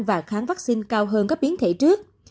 và kháng vaccine cao hơn các biến thể trước